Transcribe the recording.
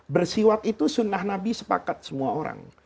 bersiwak itu sunnah nabi sepakat semua orang